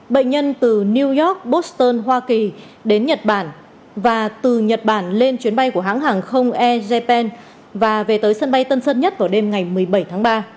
bệnh nhân từ new york boston hoa kỳ đến nhật bản và từ nhật bản lên chuyến bay của hãng hàng không air japan và về tới sân bay tân sơn nhất vào đêm ngày một mươi bảy tháng ba